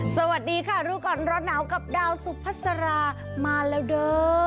สวัสดีค่ะรู้ก่อนร้อนหนาวกับดาวสุพัสรามาแล้วเด้อ